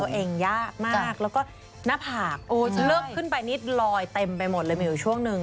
ยากมากแล้วก็หน้าผากลึกขึ้นไปนิดลอยเต็มไปหมดเลยมีอยู่ช่วงหนึ่ง